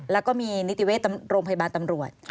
แล้วก็มีนิติเวชโรงพยาบาลตำรวจ